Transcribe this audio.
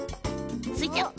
スイちゃん。